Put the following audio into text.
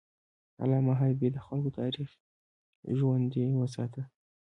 علامه حبیبي د خلکو تاریخ ژوندی وساته.